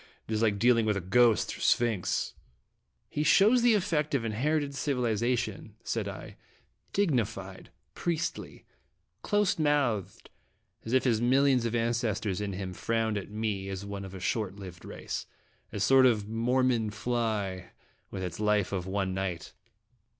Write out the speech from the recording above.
It is like dealing with ghost or sphinx." no {!) ^Dramatic in ittg "He shows the effect of inherited civiliza tion," said I; "dignified, priestly, close mouthed as if his millions of ancestors in him frowned at me as one of a short lived race a sort of Mormon fly with its life of one night."